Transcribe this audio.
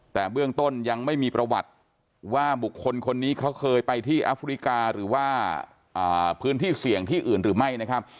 แต่เบื้องต้นยังไม่มีประวัติว่าบุคคลคนนี้เขาเคยไปที่แอฟริกาหรือว่าพื้นที่เสี่ยงที่อื่นหรือไม่นะครับ